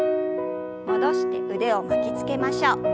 戻して腕を巻きつけましょう。